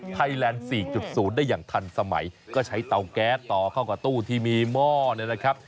ไทยแลนด์๔๐ได้อย่างทันสมัยก็ใช้เตาแก๊สต่อเข้ากับตู้ที่มีหม้อเนี่ยนะครับ